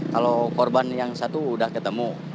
kalau korban yang satu sudah ketemu